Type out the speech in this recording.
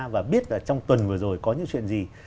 và biết là trong tuần vừa rồi có những chuyện gì